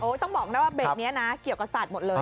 ต้องบอกนะว่าเบรกนี้นะเกี่ยวกับสัตว์หมดเลย